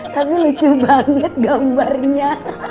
tapi lucu banget gambarnya